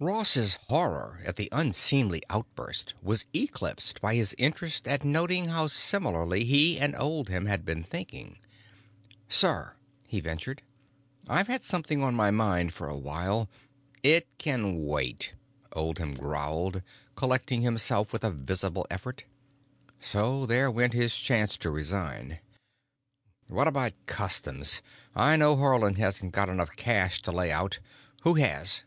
Ross's horror at the unseemly outburst was eclipsed by his interest at noting how similarly he and Oldham had been thinking. "Sir," he ventured, "I've had something on my mind for a while——" "It can wait," Oldham growled, collecting himself with a visible effort. So there went his chance to resign. "What about customs? I know Haarland hasn't got enough cash to lay out. Who has?"